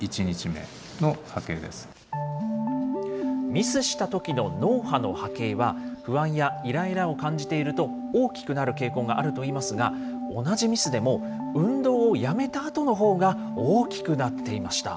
ミスしたときの脳波の波形は、不安やいらいらを感じていると大きくなる傾向があるといいますが、同じミスでも、運動をやめたあとのほうが大きくなっていました。